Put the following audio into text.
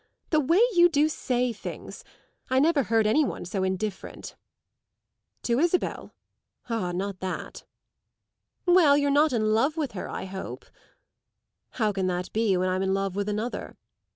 The way you do say things! I never heard any one so indifferent." "To Isabel? Ah, not that!" "Well, you're not in love with her, I hope." "How can that be, when I'm in love with Another?"